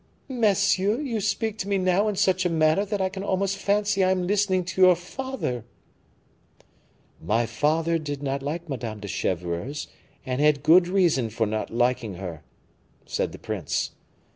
"Monsieur, you speak to me now in such a manner that I can almost fancy I am listening to your father." "My father did not like Madame de Chevreuse, and had good reason for not liking her," said the prince.